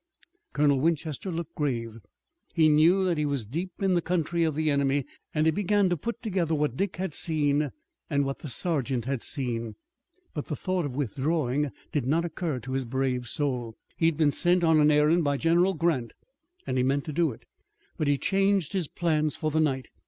Colonel Winchester looked grave. He knew that he was deep in the country of the enemy and he began to put together what Dick had seen and what the sergeant had seen. But the thought of withdrawing did not occur to his brave soul. He had been sent on an errand by General Grant and he meant to do it. But he changed his plans for the night.